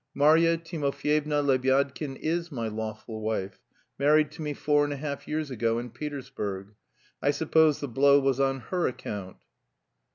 Marya Timofyevna Lebyadkin is my lawful wife, married to me four and a half years ago in Petersburg. I suppose the blow was on her account?"